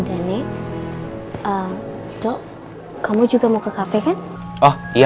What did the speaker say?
dan kita kalian